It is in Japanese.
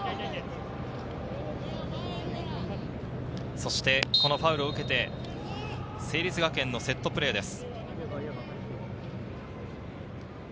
そしてこのファウルを受けて、成立学園のセットプレーです。